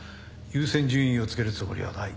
優先順位をつけるつもりはない。